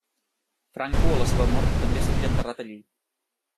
Franco a la seva mort també seria enterrat allí.